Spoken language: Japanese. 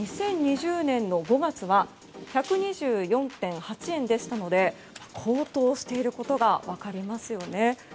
２０２０年の５月は１２４．８円でしたので高騰していることが分かりますよね。